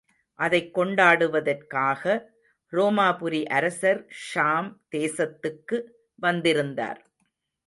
அதைக் கொண்டாடுவதற்காக, ரோமாபுரி அரசர் ஷாம் தேசத்துக்கு வந்திருந்தார்.